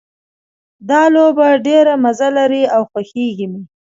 دا لوبه ډېره مزه لري او خوښیږي مې